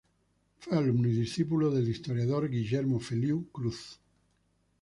Fue alumno y discípulo del historiador Guillermo Feliú Cruz.